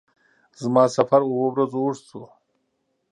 زما سفر اووه ورځو اوږد شو.